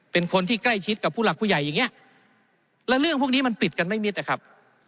เป็นคนที่ใกล้ชิดกับผู้หลักผู้ใหญ่อย่างนี้แล้วเรื่องพวกนี้มันปิดกันไม่มิดนะครับ